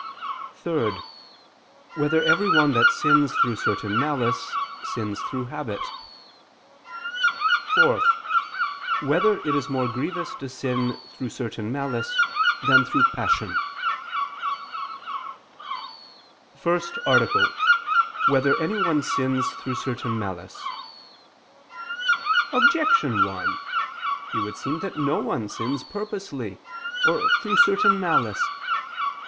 (3) Whether every one that sins through certain malice, sins through habit? (4) Whether it is more grievous to sin through certain malice, than through passion? ________________________ FIRST ARTICLE [I II, Q. 78, Art. 1] Whether Anyone Sins Through Certain Malice? Objection 1: It would seem that no one sins purposely, or through certain malice.